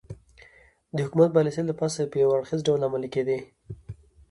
د حکومت پالیسۍ له پاسه په یو اړخیز ډول عملي کېدې